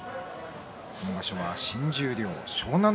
今場所は新十両、湘南乃